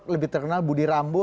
lebih terkenal budi rambo